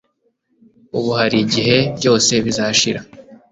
ubu hari igihe byose bizashira